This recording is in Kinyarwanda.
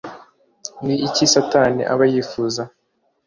Ni iki Satani aba yifuza